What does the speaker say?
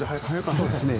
そうですね。